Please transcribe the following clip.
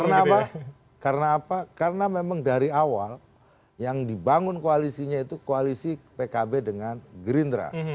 karena apa karena apa karena memang dari awal yang dibangun koalisinya itu koalisi pkb dengan gerindra